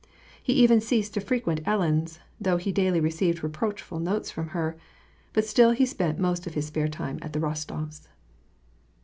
He even ceased to frequent Ellen's, though he daily received reproachful notes from her ; but still he spent most of his spare time at the Kostofs'.